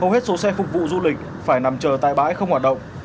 hầu hết số xe phục vụ du lịch phải nằm chờ tại bãi không hoạt động